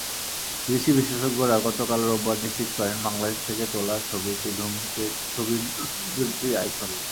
বিদেশি বিশেষজ্ঞরা গতকাল রোববার নিশ্চিত করেন, বাংলাদেশ থেকে তোলা ছবির ধূমকেতুটিই আইসন।